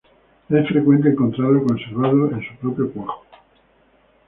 Es frecuente encontrarlo conservado en su propio cuajo.